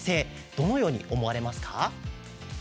どのように思われますか？